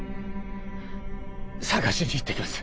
捜しに行ってきます